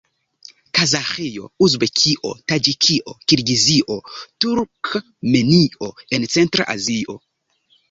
Kazaĥio, Uzbekio, Taĝikio, Kirgizio, Turkmenio en centra Azio.